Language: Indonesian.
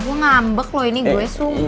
gua ngambek loh ini gue semua